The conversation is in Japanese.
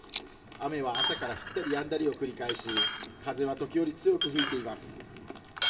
雨は朝から降ったりやんだりを繰り返し、風は時折強く吹いています。